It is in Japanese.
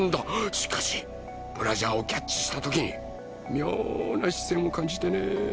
しかしブラジャーをキャッチしたときに妙な視線を感じてね